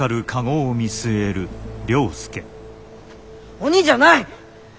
鬼じゃない！